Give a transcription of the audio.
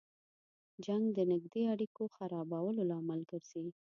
جنګ د نږدې اړیکو خرابولو لامل ګرځي.